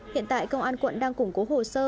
hiện tại công an quận đang củng cố hồ sơ